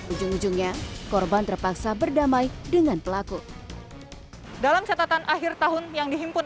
ujung ujungnya korban terpaksa berdamai dengan pelaku dalam catatan akhir tahun yang dihimpun